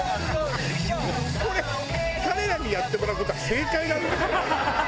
これ彼らにやってもらう事は正解なの？